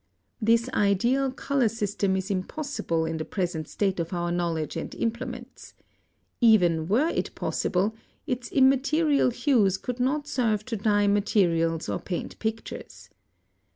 (100) This ideal color system is impossible in the present state of our knowledge and implements. Even were it possible, its immaterial hues could not serve to dye materials or paint pictures.